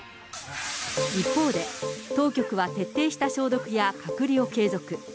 一方で、当局は徹底した消毒や隔離を継続。